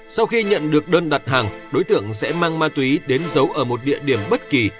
sau khi nhận được đơn đặt hàng đối tượng sẽ mang ma túy đến giấu ở một địa điểm bất kỳ